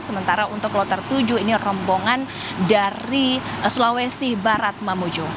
sementara untuk kloter tujuh ini rombongan dari sulawesi barat mamuju